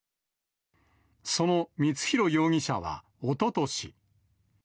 その光弘容疑者はおととし。